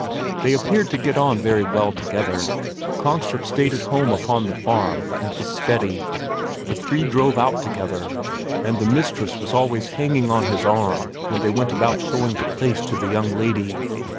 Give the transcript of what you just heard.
They appeared to get on very well together. Kongstrup stayed at home upon the farm and was steady. The three drove out together, and the mistress was always hanging on his arm when they went about showing the place to the young lady.